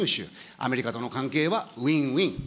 アメリカとの関係はウィンウィン。